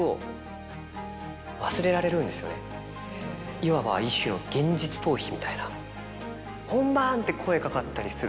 いわば一種の現実逃避みたいな。